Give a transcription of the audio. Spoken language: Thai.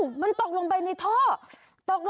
เชื่อขึ้นเร็ว